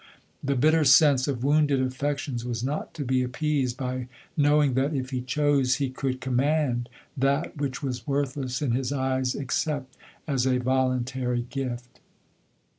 The bitter sense of wounded affections was not to be appeased by knowing that, if he chose, he could com mand that, which was worthless in his eyes, ex cept as a voluntary gift.